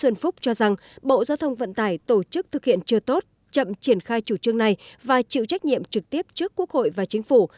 nguyễn phúc cho rằng bộ giao thông vận tải tổ chức thực hiện chưa tốt chậm triển khai chủ trương này và chịu trách nhiệm trực tiếp trước quốc hội và chính phủ